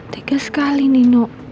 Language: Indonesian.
tiga sekali nino